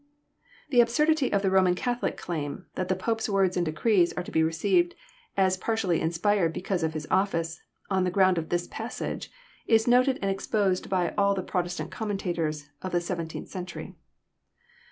The absurdity of the Roman Catholic claim, that the Pope's words and decrees are to be received as partially inspired be cause of his office, on the ground of this passage, is noted and exposed by all the Protestant commentators of the seventeenth century.